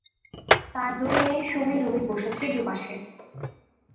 তাঁর দুই মেয়ে সুমী রুমী বসেছে দু পাশে।